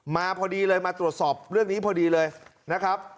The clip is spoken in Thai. มาพอดีเลยมาตรวจสอบเรื่องนี้พอดีเลยนะครับ